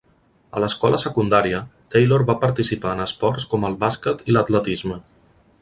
A l'escola secundària, Taylor va participar en esports com el bàsquet i l'atletisme.